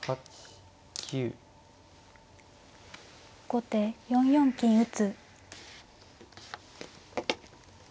後手４四金打。